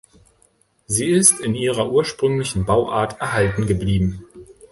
Sie ist in ihrer ursprünglichen Bauart erhalten geblieben.